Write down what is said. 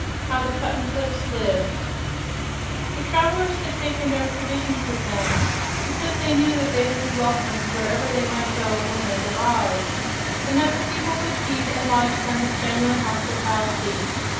How the Cuttenclips Lived The travelers had taken no provisions with them because they knew that they would be welcomed wherever they might go in the Land of Oz, and that the people would feed and lodge them with genuine hospitality.